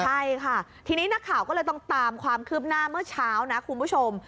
ใช่ค่ะทีนี้นักข่าวก็เลยต้องตามความคืบหน้าเมื่อเช้านะคุณผู้ชม